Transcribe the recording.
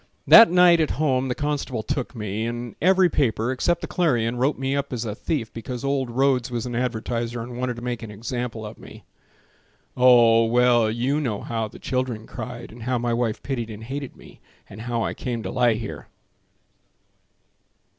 That night at home the constable took me And every paper, except the Clarion, Wrote me up as a thief Because old Rhodes was an advertiser And wanted to make an example of me. Oh! well, you know how the children cried, And how my wife pitied and hated me, And how I came to lie here.